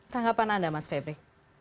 tanggapan anda mas febri